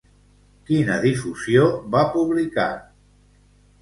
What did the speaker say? Quina difusió va publicar?